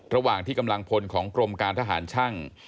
ระหว่างที่กำลังพลของกรมการทหารช่าง